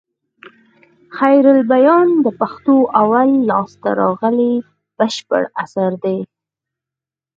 خيرالبيان د پښتو اول لاسته راغلى بشپړ اثر دئ.